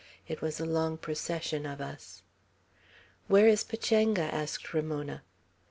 It was a long procession of us." "Where is Pachanga?" asked Ramona.